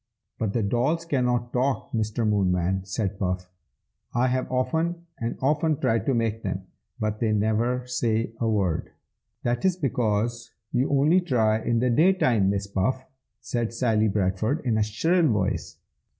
"But the dolls cannot talk, Mr. Moonman!" said Puff. "I have often and often tried to make them, but they never say a word." "That is because you only try in the day time, Miss Puff!" said Sally Bradford, in a shrill voice.